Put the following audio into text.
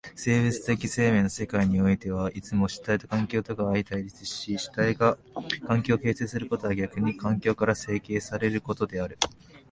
生物的生命の世界においてはいつも主体と環境とが相対立し、主体が環境を形成することは逆に環境から形成せられることである。